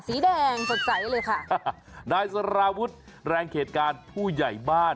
สีแดงสดใสเลยค่ะนายสารวุฒิแรงเขตการผู้ใหญ่บ้าน